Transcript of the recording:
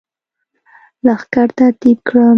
لښکر ترتیب کړم.